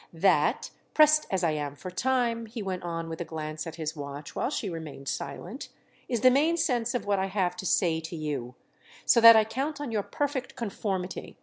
That—pressed as I am for time," he went on with a glance at his watch while she remained silent—"is the main sense of what I have to say to you; so that I count on your perfect conformity.